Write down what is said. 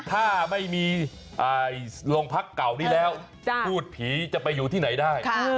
ถ้าไม่มีโรงพักเก่านี้แล้วพูดผีจะไปอยู่ที่ไหนได้